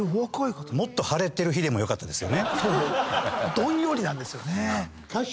どんよりなんですよね。